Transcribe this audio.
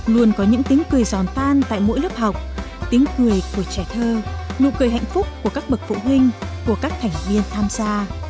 luôn có những tiếng cười giòn tan tại mỗi lớp học tiếng cười của trẻ thơ nụ cười hạnh phúc của các bậc phụ huynh của các thành viên tham gia